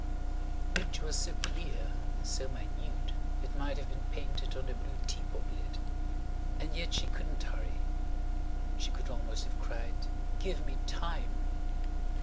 The picture was so clear and so minute it might have been painted on the blue teapot lid. And yet she couldn't hurry. She could almost have cried: "Give me time."